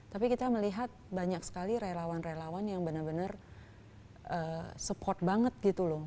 tapi kita melihat banyak sekali relawan relawan yang benar benar support banget gitu loh